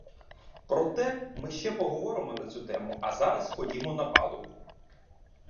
Проте ми ще поговоримо на цю тему, а зараз ходімо на палубу.